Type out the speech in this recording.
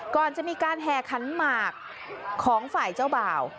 ก่อนจะมีการแห่ขันหมากของฝ่ายเจ้าบ่าว